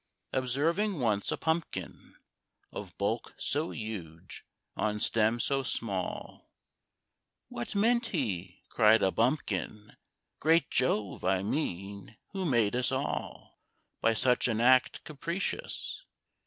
Observing once a pumpkin, Of bulk so huge on stem so small, "What meant he," cried a bumpkin, "Great Jove, I mean, who made us all, By such an act capricious?